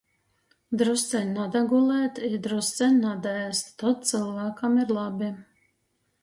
Drusceņ nadagulēt i drusceņ nadaēst. Tod cylvākam ir labi.